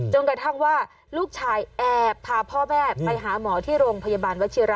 กระทั่งว่าลูกชายแอบพาพ่อแม่ไปหาหมอที่โรงพยาบาลวัชิระ